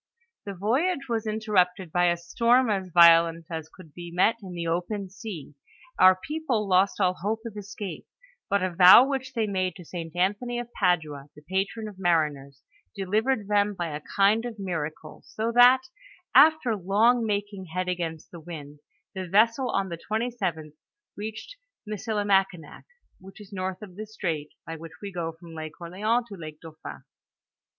The voyage was interrupted by a storm as violent as could be met in the open sea ; our people lost all hope of escape ; bnt a vow which they made to St. Anthony, of Padua, the patron of mariners, delivered them by a kind of miracle, so that, after long ninking head against the wind, the vessel on the 27th reached Missilimakinak, which is north of the strait, by which we go from Lake Orleans to Lake Dauphin.